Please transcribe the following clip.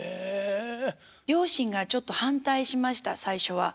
両親がちょっと反対しました最初は。